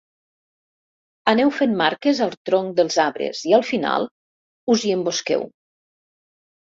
Aneu fent marques al tronc dels arbres i al final us hi embosqueu.